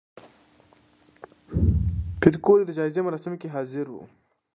پېیر کوري د جایزې مراسمو کې حاضر و؟